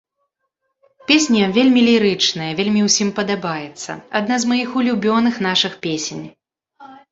Песня вельмі лірычная, вельмі ўсім падабаецца, адна з маіх улюбёных нашых песень.